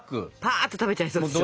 ぱっと食べちゃいそうでしょ？